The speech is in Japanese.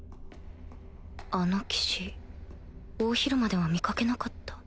あの騎士大広間では見掛けなかった